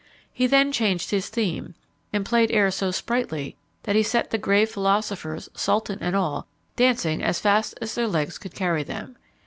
He then changed his theme, and played airs so sprightly, that he set the grave philosophers, sultan and all, dancing as fast as their legs could carry them.